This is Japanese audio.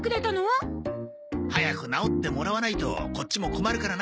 早く治ってもらわないとこっちも困るからな。